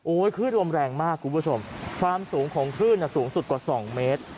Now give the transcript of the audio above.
คลื่นลมแรงมากคุณผู้ชมความสูงของคลื่นสูงสุดกว่า๒เมตร